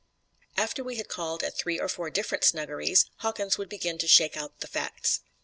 After we had called at three or four different snuggeries, Hawkins would begin to shake out the facts.